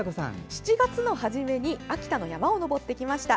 ７月の初めに秋田の山を登ってきました。